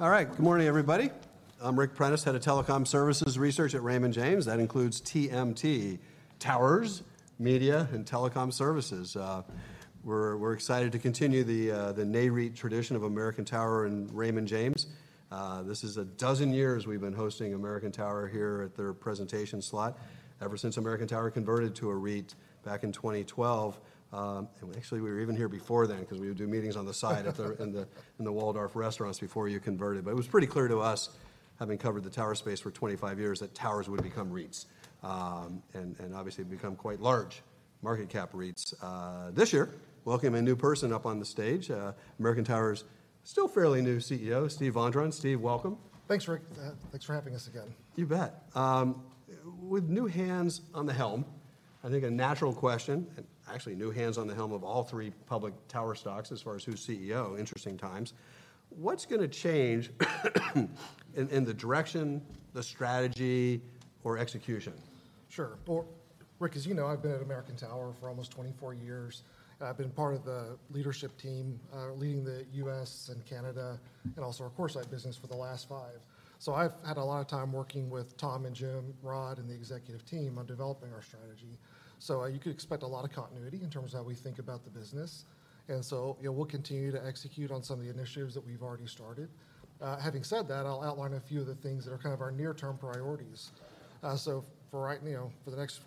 All right. Good morning, everybody. I'm Ric Prentiss, head of Telecom Services Research at Raymond James. That includes TMT: towers, media, and telecom services. We're excited to continue the NAREIT tradition of American Tower and Raymond James. This is a dozen years we've been hosting American Tower here at their presentation slot, ever since American Tower converted to a REIT back in 2012. And actually, we were even here before then, 'cause we would do meetings on the side at the Waldorf restaurants before you converted. But it was pretty clear to us, having covered the tower space for 25 years, that towers would become REITs. And obviously become quite large market cap REITs. This year, welcoming a new person up on the stage, American Tower's still fairly new CEO, Steve Vondran. Steve, welcome. Thanks, Ric. Thanks for having us again. You bet. With new hands on the helm, I think a natural question... And actually, new hands on the helm of all three public tower stocks as far as who's CEO, interesting times. What's gonna change in the direction, the strategy, or execution? Sure. Well, Ric, as you know, I've been at American Tower for almost 24 years. I've been part of the leadership team, leading the U.S. and Canada and also our CoreSite business for the last five. So I've had a lot of time working with Tom and Jim, Rod, and the executive team on developing our strategy. So, you could expect a lot of continuity in terms of how we think about the business. And so, you know, we'll continue to execute on some of the initiatives that we've already started. Having said that, I'll outline a few of the things that are kind of our near-term priorities. So for right, you know, for the next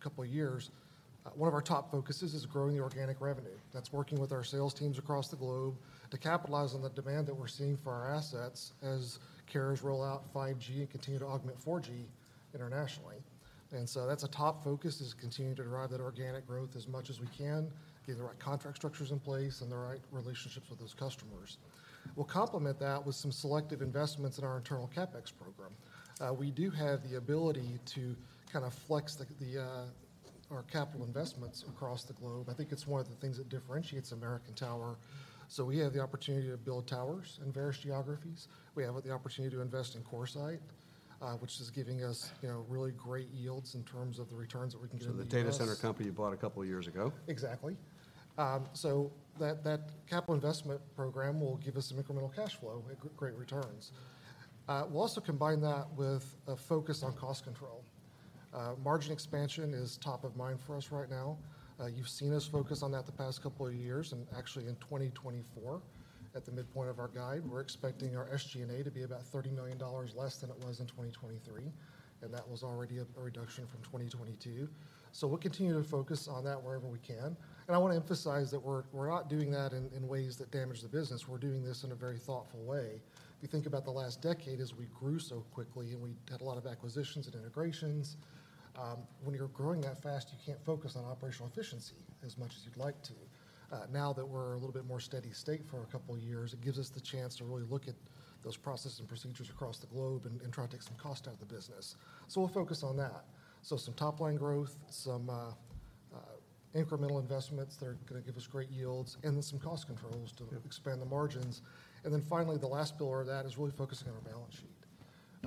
couple of years, one of our top focuses is growing the organic revenue. That's working with our sales teams across the globe to capitalize on the demand that we're seeing for our assets as carriers roll out 5G and continue to augment 4G internationally. And so that's a top focus, is continuing to drive that organic growth as much as we can, get the right contract structures in place and the right relationships with those customers. We'll complement that with some selective investments in our internal CapEx program. We do have the ability to kind of flex our capital investments across the globe. I think it's one of the things that differentiates American Tower. So we have the opportunity to build towers in various geographies. We have the opportunity to invest in CoreSite, which is giving us, you know, really great yields in terms of the returns that we can do in the U.S. The data center company you bought a couple years ago? Exactly. So that, that capital investment program will give us some incremental cash flow and great returns. We'll also combine that with a focus on cost control. Margin expansion is top of mind for us right now. You've seen us focus on that the past couple of years, and actually, in 2024, at the midpoint of our guide, we're expecting our SG&A to be about $30 million less than it was in 2023, and that was already a reduction from 2022. So we'll continue to focus on that wherever we can. And I want to emphasize that we're not doing that in ways that damage the business. We're doing this in a very thoughtful way. If you think about the last decade, as we grew so quickly and we had a lot of acquisitions and integrations, when you're growing that fast, you can't focus on operational efficiency as much as you'd like to. Now that we're a little bit more steady state for a couple of years, it gives us the chance to really look at those processes and procedures across the globe and try to take some cost out of the business. So we'll focus on that. So some top-line growth, some incremental investments that are gonna give us great yields, and then some cost controls to- Yep... expand the margins. Finally, the last pillar of that is really focusing on our balance sheet.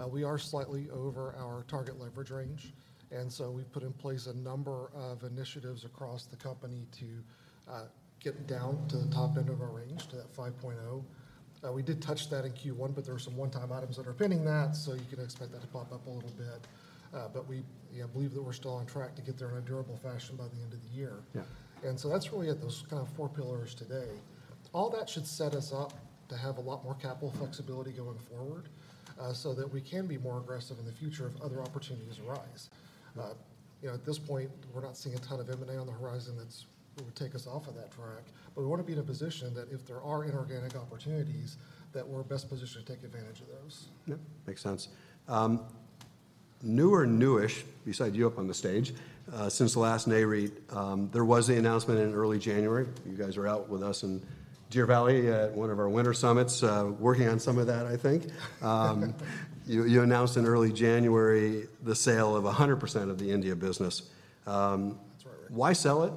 We are slightly over our target leverage range, and so we've put in place a number of initiatives across the company to get down to the top end of our range, to that 5.0. We did touch that in Q1, but there are some one-time items that are pinning that, so you can expect that to pop up a little bit. We, you know, believe that we're still on track to get there in a durable fashion by the end of the year. Yeah. So that's where we're at, those kind of four pillars today. All that should set us up to have a lot more capital flexibility going forward, so that we can be more aggressive in the future if other opportunities arise. You know, at this point, we're not seeing a ton of M&A on the horizon that would take us off of that track. But we want to be in a position that if there are inorganic opportunities, that we're best positioned to take advantage of those. Yep, makes sense. New or new-ish beside you up on the stage since the last NAREIT, there was the announcement in early January. You guys were out with us in Deer Valley at one of our winter summits, working on some of that, I think. You announced in early January the sale of 100% of the India business. That's right, Ric. Why sell it?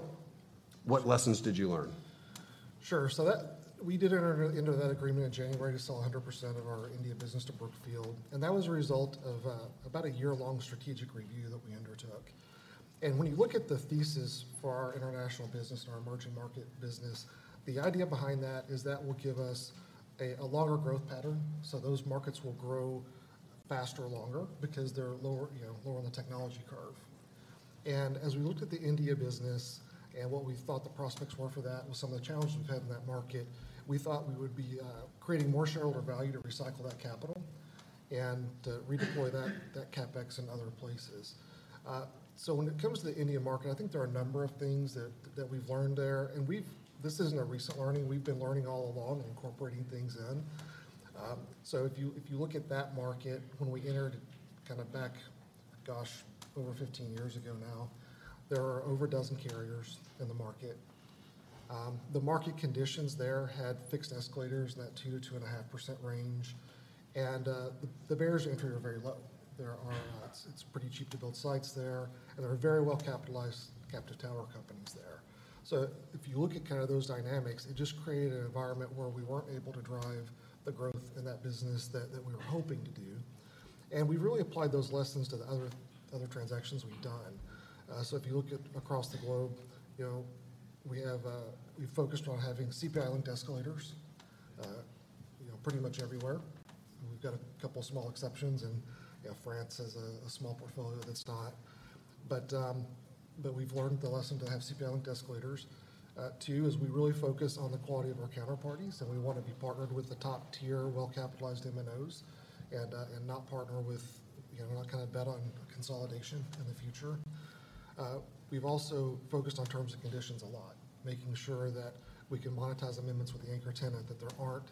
What lessons did you learn? Sure. So that we did enter into that agreement in January to sell 100% of our India business to Brookfield, and that was a result of about a year-long strategic review that we undertook. And when you look at the thesis for our international business and our emerging market business, the idea behind that is that will give us a longer growth pattern, so those markets will grow faster, longer, because they're lower, you know, lower on the technology curve. And as we looked at the India business and what we thought the prospects were for that and some of the challenges we've had in that market, we thought we would be creating more shareholder value to recycle that capital and to redeploy that CapEx in other places. So when it comes to the Indian market, I think there are a number of things that we've learned there, and we've... This isn't a recent learning. We've been learning all along and incorporating things in. So if you look at that market, when we entered kind of back, gosh, over 15 years ago now, there were over a dozen carriers in the market. The market conditions there had fixed escalators in that 2%-2.5% range, and the barriers to entry were very low. It's pretty cheap to build sites there, and there are very well-capitalized captive tower companies there. So if you look at kind of those dynamics, it just created an environment where we weren't able to drive the growth in that business that we were hoping to do. And we've really applied those lessons to the other transactions we've done. So if you look across the globe, you know, we have, we've focused on having CPI-based and escalators, you know, pretty much everywhere. We've got a couple small exceptions, and, you know, France has a small portfolio that's not. But we've learned the lesson to have CPI-based and escalators. Two, is we really focus on the quality of our counterparties, and we want to be partnered with the top-tier, well-capitalized MNOs, and not partner with, you know, not kind of bet on consolidation in the future. We've also focused on terms and conditions a lot, making sure that we can monetize amendments with the anchor tenant, that there aren't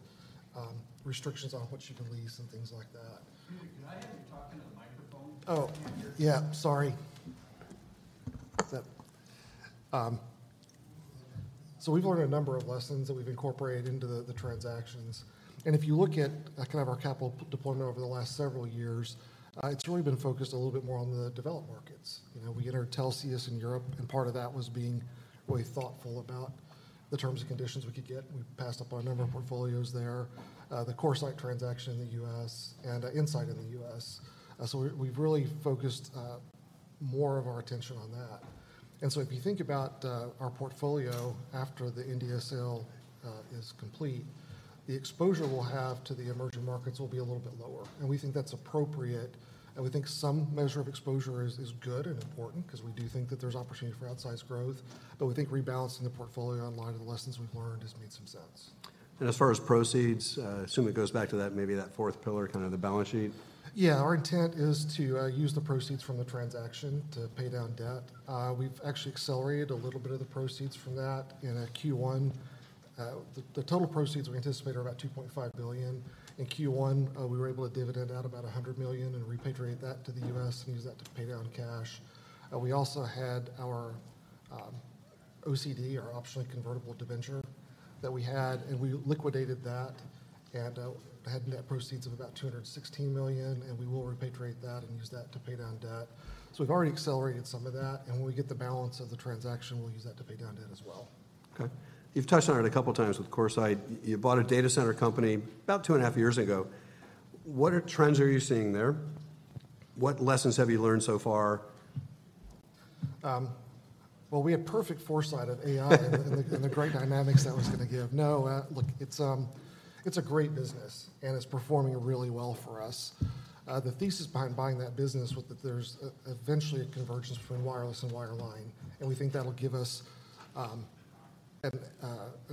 restrictions on what you can lease and things like that. Excuse me, could I have you talk into the microphone? So we've learned a number of lessons that we've incorporated into the transactions, and if you look at kind of our capital deployment over the last several years, it's really been focused a little bit more on the developed markets. You know, we entered Telxius in Europe, and part of that was being really thoughtful about the terms and conditions we could get. We passed up on a number of portfolios there. The CoreSite transaction in the U.S. and inside of the U.S. So we've really focused more of our attention on that. And so if you think about our portfolio after the India sale is complete, the exposure we'll have to the emerging markets will be a little bit lower, and we think that's appropriate. We think some measure of exposure is good and important, 'cause we do think that there's opportunity for outsized growth. We think rebalancing the portfolio online and the lessons we've learned just makes some sense. As far as proceeds, assume it goes back to that, maybe that fourth pillar, kind of the balance sheet? Yeah, our intent is to use the proceeds from the transaction to pay down debt. We've actually accelerated a little bit of the proceeds from that in Q1. The total proceeds we anticipate are about $2.5 billion. In Q1, we were able to dividend out about $100 million and repatriate that to the U.S., and use that to pay down cash. We also had our OCD, or optionally convertible debenture, that we had, and we liquidated that, and had net proceeds of about $216 million, and we will repatriate that and use that to pay down debt. So we've already accelerated some of that, and when we get the balance of the transaction, we'll use that to pay down debt as well. Okay. You've touched on it a couple times with CoreSite. You bought a data center company about two and a half years ago. What trends are you seeing there? What lessons have you learned so far? Well, we had perfect foresight of AI and the great dynamics that was gonna give. No, look, it's a great business, and it's performing really well for us. The thesis behind buying that business was that there's eventually a convergence between wireless and wireline, and we think that'll give us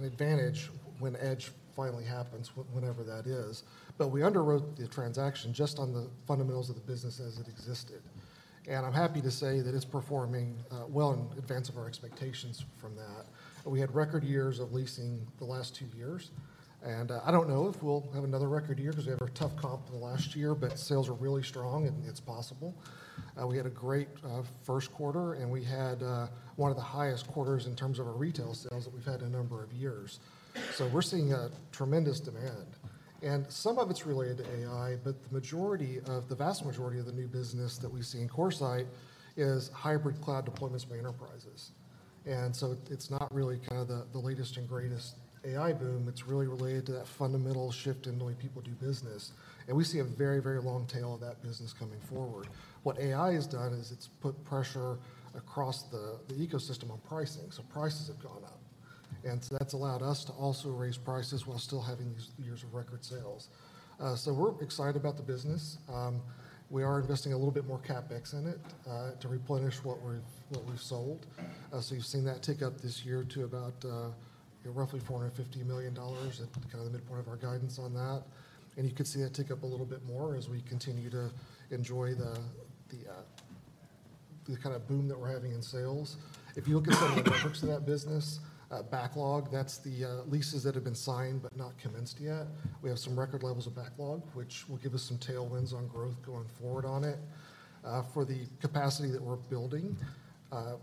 an advantage when Edge finally happens, whenever that is. But we underwrote the transaction just on the fundamentals of the business as it existed, and I'm happy to say that it's performing well in advance of our expectations from that. We had record years of leasing the last two years, and I don't know if we'll have another record year 'cause we have a tough comp for the last year, but sales are really strong, and it's possible. We had a great first quarter, and we had one of the highest quarters in terms of our retail sales that we've had in a number of years. So we're seeing a tremendous demand, and some of it's related to AI, but the majority of, the vast majority of the new business that we see in CoreSite is hybrid cloud deployments by enterprises. And so it's not really kind of the latest and greatest AI boom. It's really related to that fundamental shift in the way people do business, and we see a very, very long tail of that business coming forward. What AI has done is it's put pressure across the ecosystem on pricing, so prices have gone up, and so that's allowed us to also raise prices while still having these years of record sales. So we're excited about the business. We are investing a little bit more CapEx in it to replenish what we've, what we've sold. So you've seen that tick up this year to about, you know, roughly $450 million at kind of the midpoint of our guidance on that, and you could see that tick up a little bit more as we continue to enjoy the kind of boom that we're having in sales. If you look at some of the metrics of that business, backlog, that's the leases that have been signed but not commenced yet. We have some record levels of backlog, which will give us some tailwinds on growth going forward on it. For the capacity that we're building,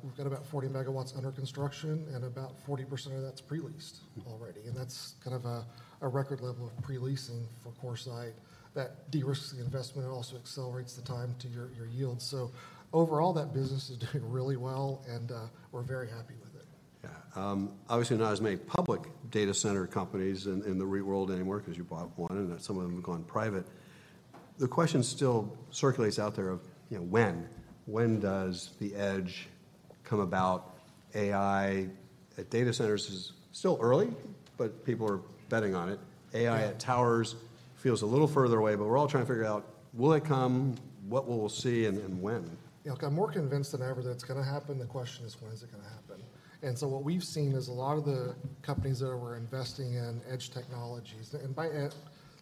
we've got about 40 megawatts under construction, and about 40% of that's pre-leased already, and that's kind of a record level of pre-leasing for CoreSite. That de-risks the investment and also accelerates the time to your yields. So overall, that business is doing really well, and we're very happy with it. Yeah. Obviously, not as many public data center companies in the real world anymore, 'cause you bought one, and some of them have gone private. The question still circulates out there of, you know, when? When does the edge come about? AI at data centers is still early, but people are betting on it. Yeah. AI at towers feels a little further away, but we're all trying to figure out, will it come, what will we see, and, and when? You know, I'm more convinced than ever that it's gonna happen. The question is, when is it gonna happen? And so what we've seen is a lot of the companies that we're investing in edge technologies, and by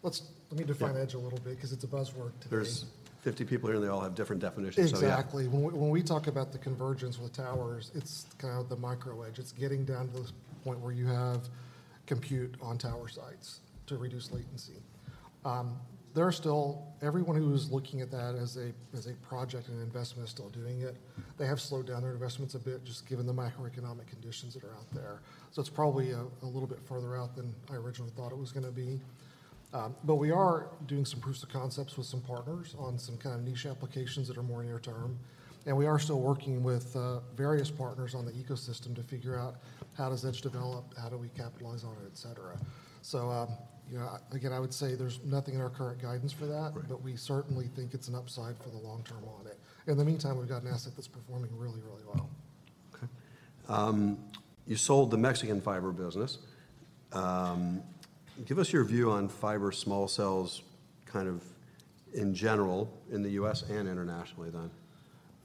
let's, let me define- Yeah... edge a little bit, 'cause it's a buzzword today. There's 50 people here, and they all have different definitions, so yeah. Exactly. When we talk about the convergence with towers, it's kind of the micro edge. It's getting down to the point where you have compute on tower sites to reduce latency. There are still... Everyone who is looking at that as a project and an investment is still doing it. They have slowed down their investments a bit, just given the macroeconomic conditions that are out there. So it's probably a little bit further out than I originally thought it was gonna be. But we are doing some proofs of concepts with some partners on some kind of niche applications that are more near term, and we are still working with various partners on the ecosystem to figure out how does edge develop, how do we capitalize on it, et cetera. So, you know, again, I would say there's nothing in our current guidance for that- Right... but we certainly think it's an upside for the long term on it. In the meantime, we've got an asset that's performing really, really well.... Okay. You sold the Mexican fiber business. Give us your view on fiber small cells, kind of in general, in the U.S. and internationally, then.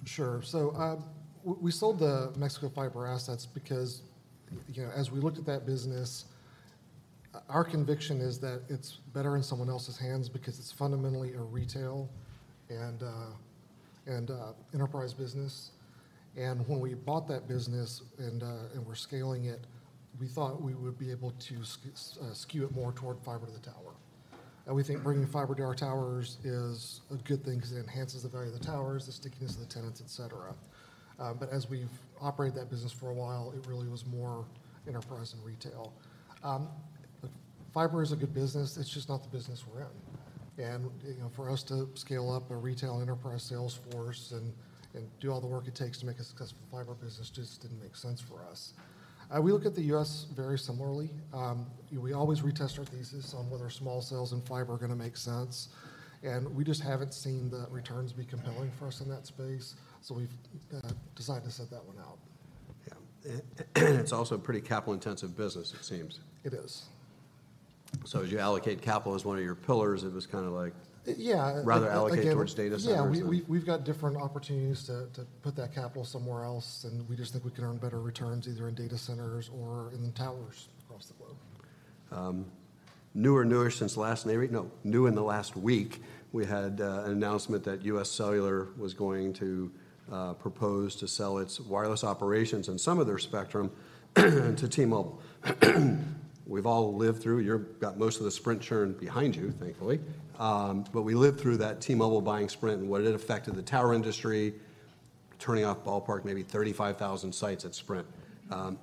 Sure. So, we sold the Mexico fiber assets because, you know, as we looked at that business, our conviction is that it's better in someone else's hands because it's fundamentally a retail and enterprise business. And when we bought that business and were scaling it, we thought we would be able to skew it more toward fiber to the tower. And we think bringing fiber to our towers is a good thing because it enhances the value of the towers, the stickiness of the tenants, et cetera. But as we've operated that business for a while, it really was more enterprise and retail. Fiber is a good business, it's just not the business we're in. You know, for us to scale up a retail enterprise sales force and do all the work it takes to make a successful fiber business just didn't make sense for us. We look at the U.S. very similarly. We always retest our thesis on whether small cells and fiber are gonna make sense, and we just haven't seen the returns be compelling for us in that space, so we've decided to sit that one out. Yeah. It's also a pretty capital-intensive business, it seems. It is. So as you allocate capital as one of your pillars, it was kind of like- Yeah, again- Rather allocate towards data centers and- Yeah, we've got different opportunities to put that capital somewhere else, and we just think we can earn better returns, either in data centers or in towers across the globe. New in the last week, we had an announcement that UScellular was going to propose to sell its wireless operations and some of their spectrum to T-Mobile. We've all lived through... You've got most of the Sprint churn behind you, thankfully. But we lived through that T-Mobile buying Sprint and what it affected the tower industry, turning off ballpark, maybe 35,000 sites at Sprint.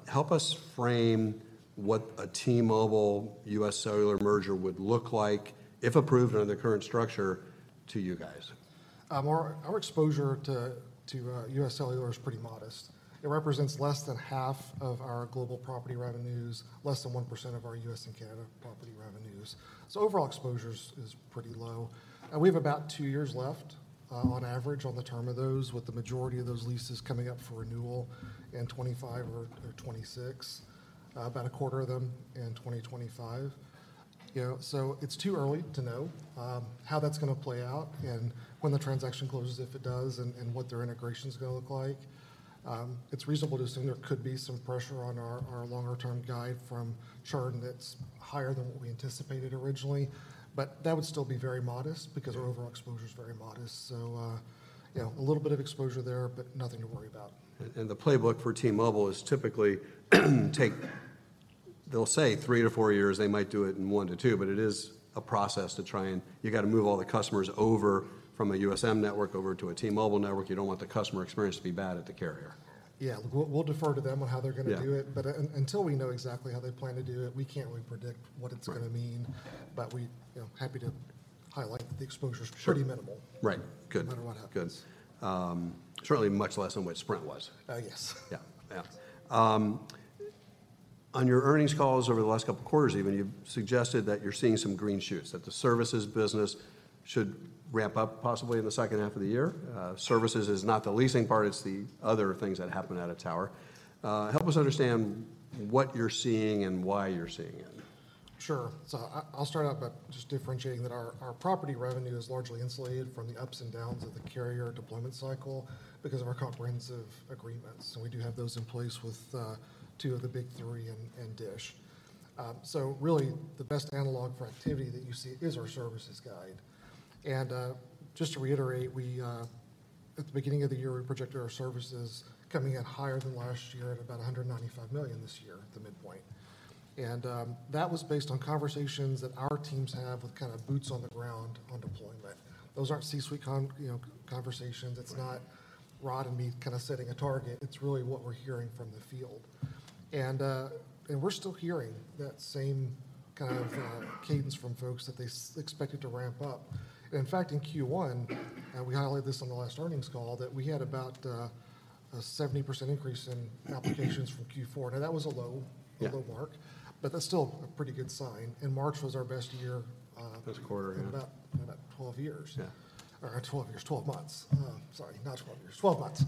Help us frame what a T-Mobile UScellular merger would look like, if approved under the current structure, to you guys. Our exposure to UScellular is pretty modest. It represents less than half of our global property revenues, less than 1% of our U.S. and Canada property revenues. So overall exposure is pretty low. And we have about two years left, on average, on the term of those, with the majority of those leases coming up for renewal in 2025 or 2026. About a quarter of them in 2025. You know, so it's too early to know how that's gonna play out and when the transaction closes, if it does, and what their integration is gonna look like. It's reasonable to assume there could be some pressure on our longer-term guide from churn that's higher than what we anticipated originally, but that would still be very modest- Yeah... because our overall exposure is very modest. So, you know, a little bit of exposure there, but nothing to worry about. The playbook for T-Mobile is typically, they'll say three-four years, they might do it in one-two, but it is a process to try and... You got to move all the customers over from a UScellular network over to a T-Mobile network. You don't want the customer experience to be bad at the carrier. Yeah. We'll, we'll defer to them on how they're gonna do it. Yeah. But until we know exactly how they plan to do it, we can't really predict what it's gonna mean. Right. But we, you know, happy to highlight that the exposure is- Sure... pretty minimal. Right. Good. No matter what happens. Good. Certainly much less than what Sprint was. Uh, yes. Yeah. Yeah. On your earnings calls over the last couple of quarters even, you've suggested that you're seeing some green shoots, that the services business should ramp up possibly in the second half of the year. Services is not the leasing part, it's the other things that happen at a tower. Help us understand what you're seeing and why you're seeing it. Sure. So I'll start out by just differentiating that our property revenue is largely insulated from the ups and downs of the carrier deployment cycle because of our comprehensive agreements, and we do have those in place with two of the big three and DISH. So really, the best analog for activity that you see is our services guidance. And just to reiterate, we at the beginning of the year, we projected our services coming in higher than last year at about $195 million this year, at the midpoint. And that was based on conversations that our teams have with kind of boots on the ground on deployment. Those aren't C-suite, you know, conversations. Right. It's not Rod and me kind of setting a target. It's really what we're hearing from the field. And, and we're still hearing that same kind of, cadence from folks that they expect it to ramp up. In fact, in Q1, and we highlighted this on the last earnings call, that we had about, a 70% increase in applications from Q4. Now, that was a low- Yeah... a low mark, but that's still a pretty good sign. And March was our best year Best quarter, yeah.... in about 12 years. Yeah. Or twelve years, 12 months. Sorry, not twelve years, twelve months.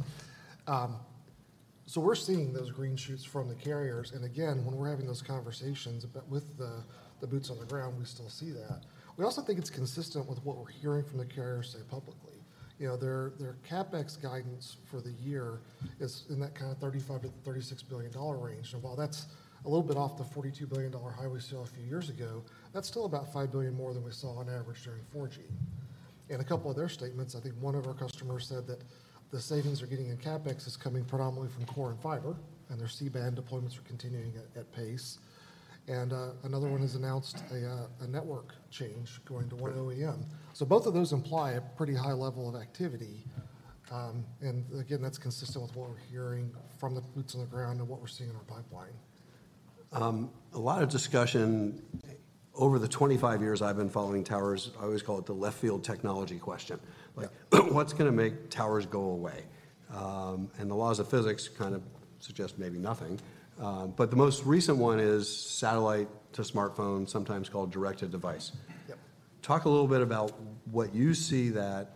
So we're seeing those green shoots from the carriers, and again, when we're having those conversations, with the boots on the ground, we still see that. We also think it's consistent with what we're hearing from the carriers say publicly. You know, their CapEx guidance for the year is in that kind of $35 billion-$36 billion range. And while that's a little bit off the $42 billion high we saw a few years ago, that's still about $5 billion more than we saw on average during 4G. In a couple of their statements, I think one of our customers said that the savings they're getting in CapEx is coming predominantly from core and fiber, and their C-band deployments are continuing at pace. And, another one has announced a network change going to one OEM. Yeah. So both of those imply a pretty high level of activity. And again, that's consistent with what we're hearing from the boots on the ground and what we're seeing in our pipeline. A lot of discussion over the 25 years I've been following towers, I always call it the left field technology question. Yeah. Like, what's gonna make towers go away? The laws of physics kind of suggest maybe nothing, but the most recent one is satellite-to-smartphone, sometimes called direct-to-device. Yep.... Talk a little bit about what you see that's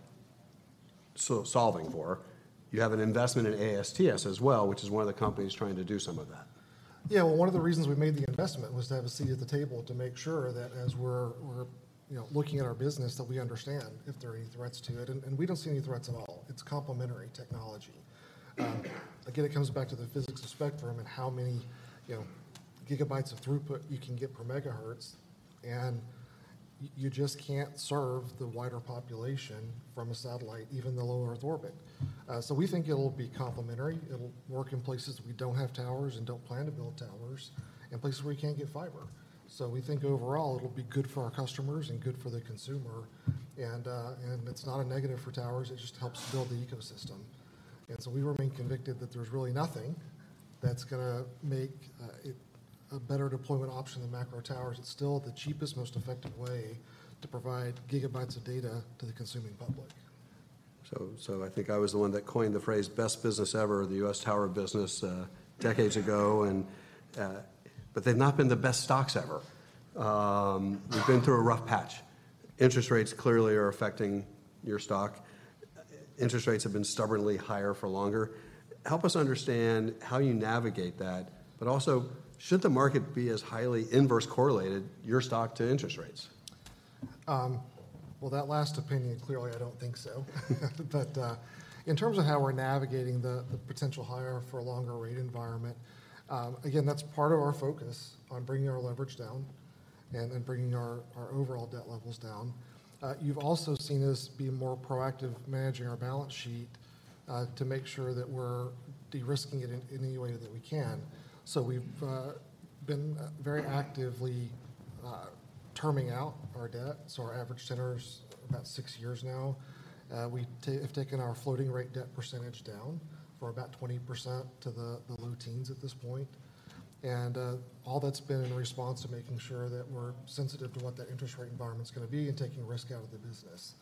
solving for. You have an investment in ASTS as well, which is one of the companies trying to do some of that. Yeah, well, one of the reasons we made the investment was to have a seat at the table to make sure that as we're, you know, looking at our business, that we understand if there are any threats to it, and we don't see any threats at all. It's complementary technology. Again, it comes back to the physics of spectrum and how many, you know, gigabytes of throughput you can get per megahertz, and you just can't serve the wider population from a satellite, even the low Earth orbit. So we think it'll be complementary. It'll work in places we don't have towers and don't plan to build towers, and places where we can't get fiber. So we think overall it'll be good for our customers and good for the consumer. And it's not a negative for towers, it just helps build the ecosystem. And so we remain convicted that there's really nothing that's gonna make it a better deployment option than macro towers. It's still the cheapest, most effective way to provide gigabytes of data to the consuming public. So, I think I was the one that coined the phrase, "Best business ever," the U.S. tower business, decades ago, and. But they've not been the best stocks ever. You've been through a rough patch. Interest rates clearly are affecting your stock. Interest rates have been stubbornly higher for longer. Help us understand how you navigate that, but also, should the market be as highly inverse correlated your stock to interest rates? Well, that last opinion, clearly, I don't think so. But in terms of how we're navigating the potential higher for a longer rate environment, again, that's part of our focus on bringing our leverage down and then bringing our overall debt levels down. You've also seen us be more proactive managing our balance sheet to make sure that we're de-risking it in any way that we can. So we've been very actively terming out our debt, so our average tenor is about six years now. We have taken our floating rate debt percentage down from about 20% to the low teens at this point. And all that's been in response to making sure that we're sensitive to what that interest rate environment's gonna be and taking risk out of the business.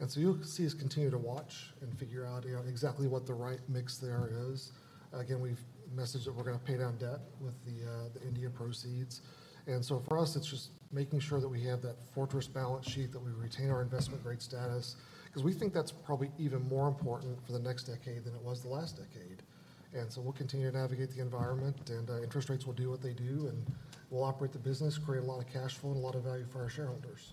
And so you'll see us continue to watch and figure out, you know, exactly what the right mix there is. Again, we've messaged that we're gonna pay down debt with the India proceeds. And so for us, it's just making sure that we have that fortress balance sheet, that we retain our investment-grade status, 'cause we think that's probably even more important for the next decade than it was the last decade. And so we'll continue to navigate the environment, and interest rates will do what they do, and we'll operate the business, create a lot of cash flow and a lot of value for our shareholders.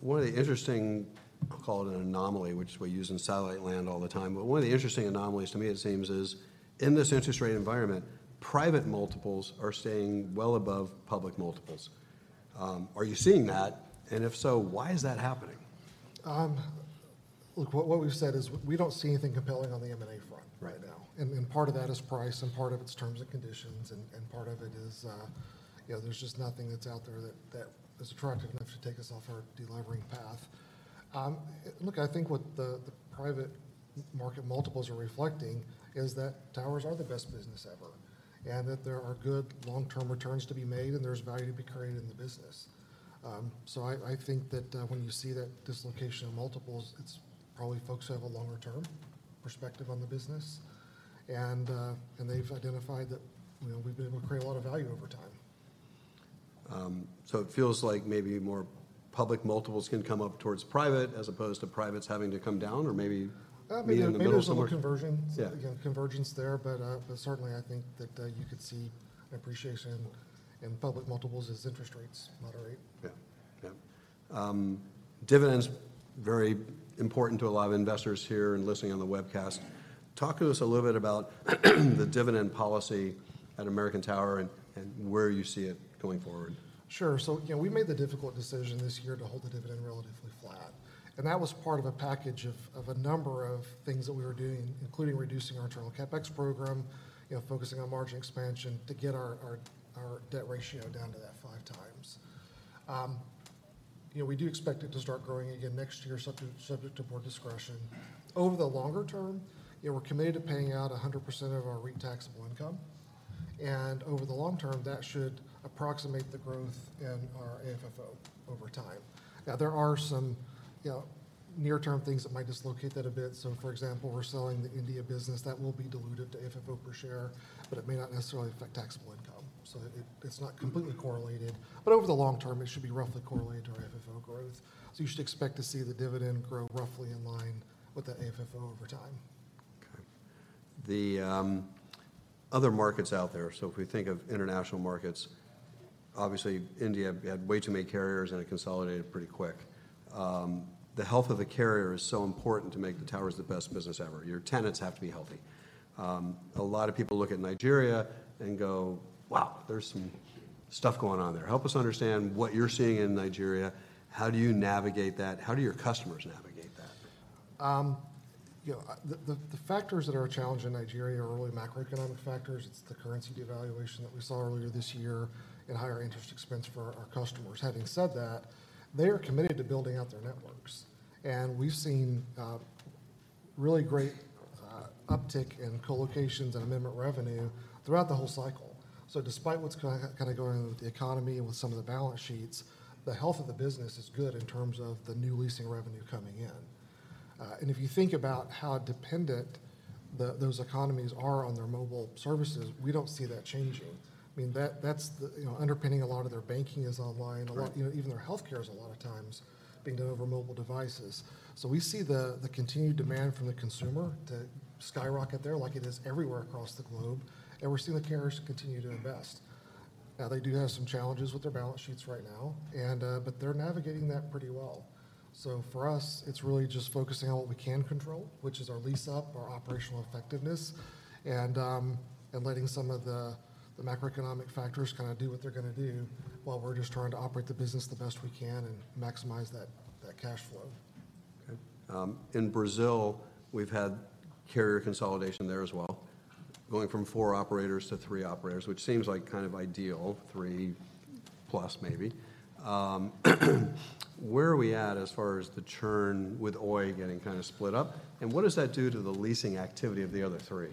One of the interesting, I'll call it an anomaly, which we use in satellite land all the time, but one of the interesting anomalies to me, it seems, is in this interest rate environment, private multiples are staying well above public multiples. Are you seeing that? And if so, why is that happening? Look, what we've said is we don't see anything compelling on the M&A front right now, and part of that is price, and part of it's terms and conditions, and part of it is, you know, there's just nothing that's out there that is attractive enough to take us off our delevering path. Look, I think what the private market multiples are reflecting is that towers are the best business ever, and that there are good long-term returns to be made, and there's value to be created in the business. So I think that when you see that dislocation of multiples, it's probably folks who have a longer term perspective on the business, and they've identified that, you know, we've been able to create a lot of value over time. So it feels like maybe more public multiples can come up towards private, as opposed to privates having to come down, or maybe- Uh, maybe- Meet in the middle somewhere? There's a little convergence- Yeah... convergence there, but certainly I think that you could see appreciation in public multiples as interest rates moderate. Yeah. Yeah. Dividends, very important to a lot of investors here and listening on the webcast. Talk to us a little bit about the dividend policy at American Tower and where you see it going forward. Sure. So, you know, we made the difficult decision this year to hold the dividend relatively flat, and that was part of a package of a number of things that we were doing, including reducing our internal CapEx program, you know, focusing on margin expansion to get our debt ratio down to that five times. You know, we do expect it to start growing again next year, subject to board discretion. Over the longer term, yeah, we're committed to paying out 100% of our REIT taxable income, and over the long term, that should approximate the growth in our AFFO over time. Now, there are some, you know, near-term things that might dislocate that a bit. So, for example, we're selling the India business. That will be dilutive to AFFO per share, but it may not necessarily affect taxable income, so it's not completely correlated, but over the long term, it should be roughly correlated to our AFFO growth. So you should expect to see the dividend grow roughly in line with that AFFO over time. Okay. The other markets out there, so if we think of international markets, obviously India had way too many carriers, and it consolidated pretty quick. The health of the carrier is so important to make the towers the best business ever. Your tenants have to be healthy. A lot of people look at Nigeria and go, "Wow, there's some stuff going on there." Help us understand what you're seeing in Nigeria. How do you navigate that? How do your customers navigate that? You know, the factors that are a challenge in Nigeria are really macroeconomic factors. It's the currency devaluation that we saw earlier this year and higher interest expense for our customers. Having said that, they are committed to building out their networks, and we've seen really great uptick in co-locations and amendment revenue throughout the whole cycle. So despite what's kind of going on with the economy and with some of the balance sheets, the health of the business is good in terms of the new leasing revenue coming in. And if you think about how dependent those economies are on their mobile services, we don't see that changing. I mean, that's the you know, underpinning a lot of their banking is online- Correct. A lot, you know, even their healthcare is a lot of times being done over mobile devices. So we see the continued demand from the consumer to skyrocket there, like it is everywhere across the globe, and we're seeing the carriers continue to invest. Now, they do have some challenges with their balance sheets right now, and, but they're navigating that pretty well. So for us, it's really just focusing on what we can control, which is our lease-up, our operational effectiveness, and, and letting some of the macroeconomic factors kinda do what they're gonna do, while we're just trying to operate the business the best we can and maximize that cash flow. Okay. In Brazil, we've had carrier consolidation there as well, going from four operators to three operators, which seems like kind of ideal, three plus maybe. Where are we at as far as the churn with Oi getting kinda split up, and what does that do to the leasing activity of the other three?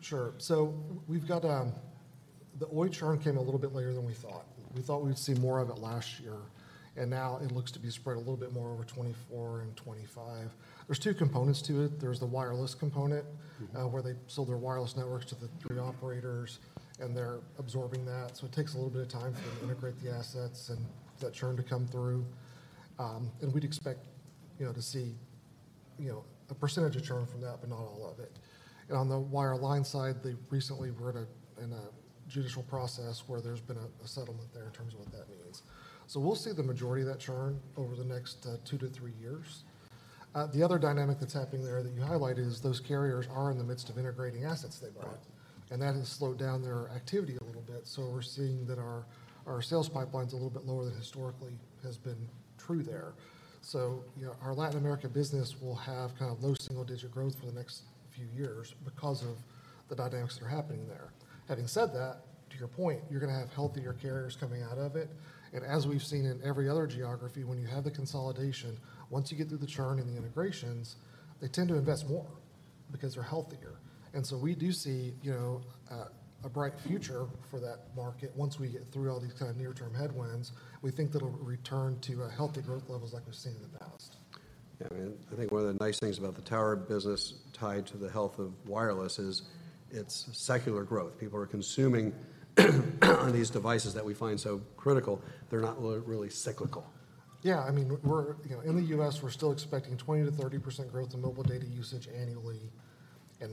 Sure. So we've got the Oi churn came a little bit later than we thought. We thought we'd see more of it last year, and now it looks to be spread a little bit more over 2024 and 2025. There's two components to it. There's the wireless component- Mm-hmm. Where they sold their wireless networks to the three operators, and they're absorbing that. So it takes a little bit of time for them to integrate the assets and that churn to come through. And we'd expect, you know, to see, you know, a percentage of churn from that, but not all of it. And on the wireline side, they recently were in a judicial process where there's been a settlement there in terms of what that means. So we'll see the majority of that churn over the next, two to three years. The other dynamic that's happening there that you highlight is those carriers are in the midst of integrating assets they bought. Right. That has slowed down their activity a little bit. So we're seeing that our sales pipeline's a little bit lower than historically has been true there. So, you know, our Latin American business will have kind of low single-digit growth for the next few years because of the dynamics that are happening there. Having said that, to your point, you're gonna have healthier carriers coming out of it, and as we've seen in every other geography, when you have the consolidation, once you get through the churn and the integrations, they tend to invest more because they're healthier. So we do see, you know, a bright future for that market once we get through all these kind of near-term headwinds. We think it'll return to healthy growth levels like we've seen in the past. Yeah, I mean, I think one of the nice things about the tower business tied to the health of wireless is its secular growth. People are consuming on these devices that we find so critical. They're not really cyclical. Yeah. I mean, we're, you know, in the U.S., we're still expecting 20%-30% growth in mobile data usage annually.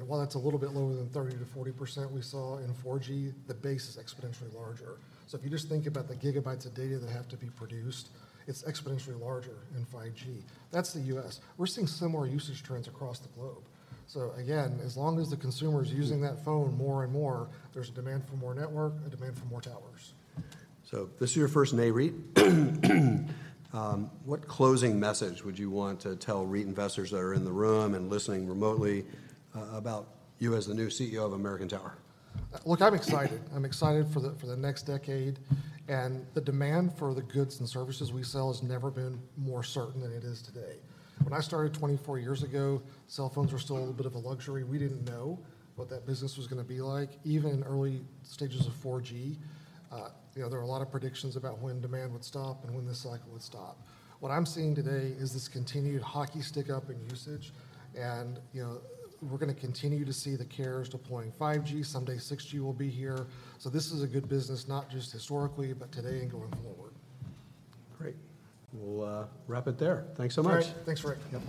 While that's a little bit lower than 30%-40% we saw in 4G, the base is exponentially larger. So if you just think about the gigabytes of data that have to be produced, it's exponentially larger in 5G. That's the U.S. We're seeing similar usage trends across the globe. So again, as long as the consumer's using that phone more and more, there's a demand for more network, a demand for more towers. This is your first May REIT. What closing message would you want to tell REIT investors that are in the room and listening remotely about you as the new CEO of American Tower? Look, I'm excited. I'm excited for the, for the next decade, and the demand for the goods and services we sell has never been more certain than it is today. When I started 24 years ago, cell phones were still a little bit of a luxury. We didn't know what that business was gonna be like. Even in early stages of 4G, you know, there were a lot of predictions about when demand would stop and when the cycle would stop. What I'm seeing today is this continued hockey-stick-up in usage, and, you know, we're gonna continue to see the carriers deploying 5G. Someday, 6G will be here. So this is a good business, not just historically, but today and going forward. Great. We'll wrap it there. Thanks so much. All right. Thanks, Ric.